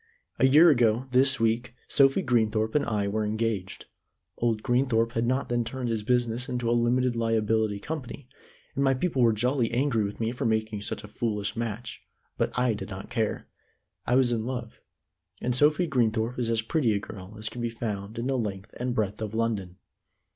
A year ago, this week, Sophie Greenthorpe and I were engaged. Old Greenthorpe had not then turned his business into a limited liability company, and my people were jolly angry with me for making such a foolish match; but I did not care. I was in love, and Sophie Greenthorpe is as pretty a girl as can be found in the length and breadth of London.